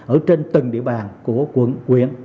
ở trên từng địa bàn của quận quyện